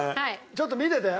ちょっと見てて。